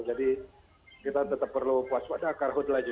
jadi kita tetap perlu mewaspadai